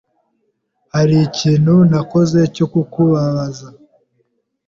Hari ikintu nakoze cyo kukubabaza?